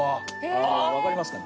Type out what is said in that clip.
わかりますかね？